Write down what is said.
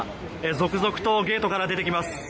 続々とゲートから出てきます。